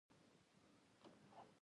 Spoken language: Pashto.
او مدافعت زياتوي -